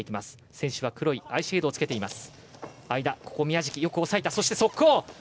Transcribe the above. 選手は黒いアイシェードをつけています。